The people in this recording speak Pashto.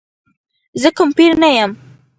زه کوم پیر نه یم.